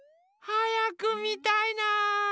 はやくみたいな。